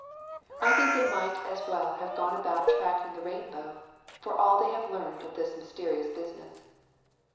I think they might as well have gone about tracking the rainbow, for all they have learned of this mysterious business.